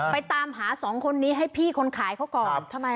ไปตามหาสองคนนี้ให้พี่คนขายเขาก่อนครับทำไมคะ